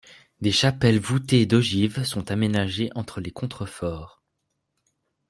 Des chapelles voûtées d'ogives sont aménagées entre les contreforts.